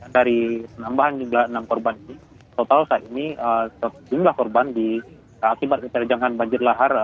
dari penambahan jumlah enam korban ini total saat ini jumlah korban di akibat keterjangan banjir lahar